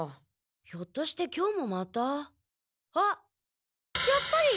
ひょっとして今日もまたあっやっぱり！